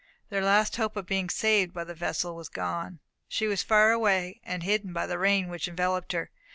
Their last hope of being saved by the vessel was gone. She was far away, and hidden by the rain which enveloped her.